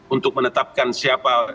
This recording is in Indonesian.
untuk menetapkan siapa